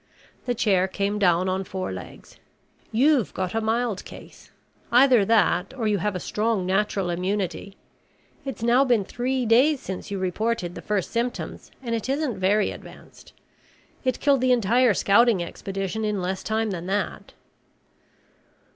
The chair came down on four legs. "You've got a mild case. Either that or you have a strong natural immunity. It's now been three days since you reported the first symptoms and it isn't very advanced. It killed the entire scouting expedition in less time than that."